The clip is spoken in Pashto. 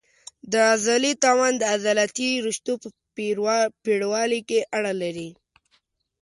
د عضلې توان د عضلاتي رشتو په پېړوالي اړه لري.